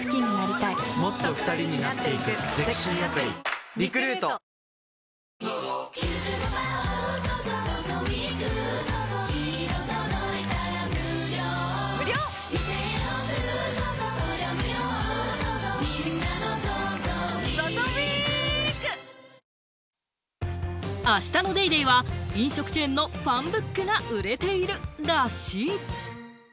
瞬感ミストＵＶ「ビオレＵＶ」明日の『ＤａｙＤａｙ．』は、飲食チェーンのファンブックが売れているらしい。